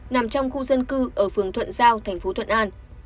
nằm trong khu dân cư ở phường thuận giao thành phố thuận an